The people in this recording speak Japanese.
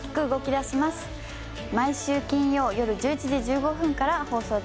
毎週金曜よる１１時１５分から放送中です。